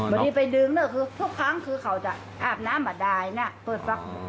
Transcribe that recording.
บะดีไปดึงเนอะคือทุกครั้งคือเขาจะอาบน้ำแบบใดน่ะ